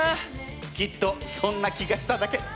きっとそんな気がしただけ。